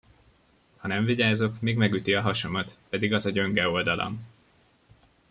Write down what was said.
Ha nem vigyázok, még megüti a hasamat, pedig az a gyönge oldalam.